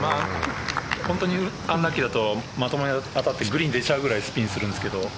本当にアンラッキーだとまともに当たってグリーン出ちゃうくらいスピンするんですけど。